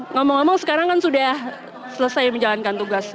ngomong ngomong sekarang kan sudah selesai menjalankan tugas